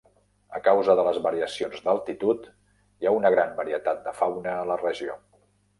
A causa de les variacions d'altitud, hi ha una gran varietat de fauna a la regió.